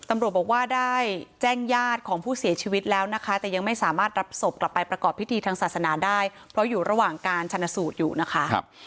มาเจอจริงแบบนี้เราก็สงสารเขา